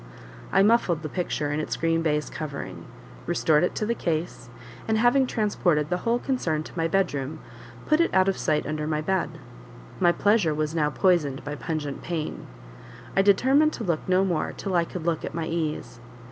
I muffled the picture in its green baize covering, restored it to the case, and having transported the whole concern to my bed room, put it out of sight under my bed. My pleasure was now poisoned by pungent pain; I determined to look no more till I could look at my ease.